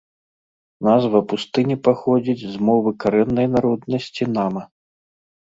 Назва пустыні паходзіць з мовы карэннай народнасці нама.